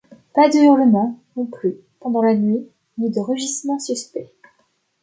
Pas de hurlements, non plus, pendant la nuit, ni de rugissements suspects.